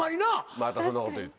またそんなこと言って。